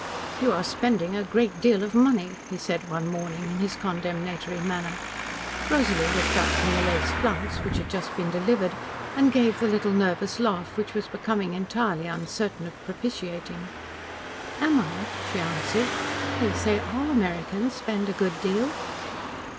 "You are spending a great deal of money," he said one morning in his condemnatory manner. Rosalie looked up from the lace flounce which had just been delivered and gave the little nervous laugh, which was becoming entirely uncertain of propitiating. "Am I?" she answered. "They say all Americans spend a good deal."